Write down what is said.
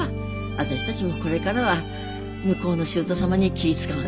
私たちもこれからは向こうの姑様に気ぃ遣わんでも済むしな。